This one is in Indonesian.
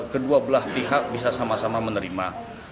kedua belah pihak bisa sama sama menerima